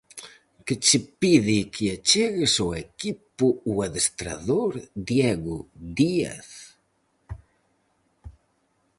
Que che pide que achegues ó equipo o adestrador Diego Díaz?